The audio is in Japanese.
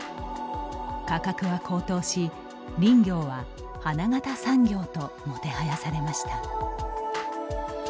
価格は高騰し、林業は花形産業ともてはやされました。